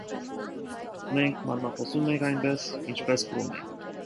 Մենք մատնախոսում ենք այնպես, ինչպես գրում ենք։